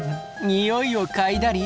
においを嗅いだり。